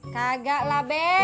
kagak lah be